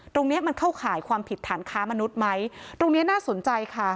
ตรงเนี้ยมันเข้าข่ายความผิดฐานค้ามนุษย์ไหมตรงเนี้ยน่าสนใจค่ะ